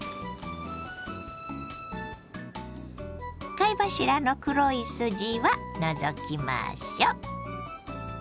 貝柱の黒い筋は除きましょう。